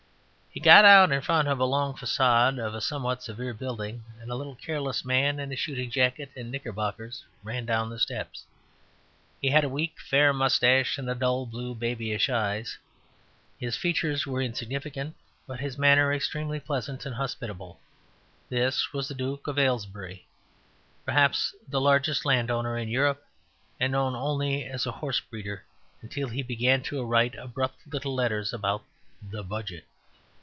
He got out in front of a long facade of a somewhat severe building, and a little careless man in a shooting jacket and knickerbockers ran down the steps. He had a weak, fair moustache and dull, blue, babyish eyes; his features were insignificant, but his manner extremely pleasant and hospitable, This was the Duke of Aylesbury, perhaps the largest landowner in Europe, and known only as a horsebreeder until he began to write abrupt little letters about the Budget.